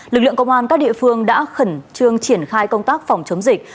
lực lượng công an các địa phương đã khẩn trương triển khai công tác phòng chống dịch